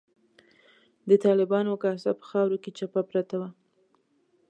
د طالبانو کاسه په خاورو کې چپه پرته وه.